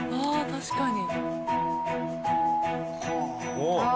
確かに。